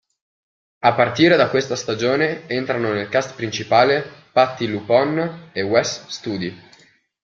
A partire da questa stagione entrano nel cast principale Patti LuPone e Wes Studi.